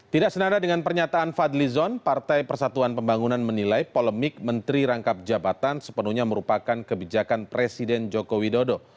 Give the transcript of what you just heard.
tidak senada dengan pernyataan fadlizon partai persatuan pembangunan menilai polemik menteri rangkap jabatan sepenuhnya merupakan kebijakan presiden joko widodo